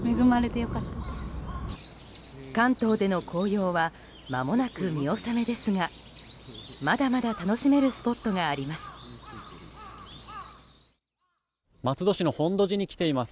関東での紅葉はまもなく見納めですがまだまだ楽しめるスポットがあります。